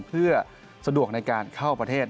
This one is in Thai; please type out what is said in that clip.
เพื่อสะดวกในการเข้าประเทศ